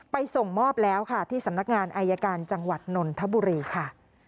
ส่งมอบแล้วค่ะที่สำนักงานอายการจังหวัดนนทบุรีค่ะ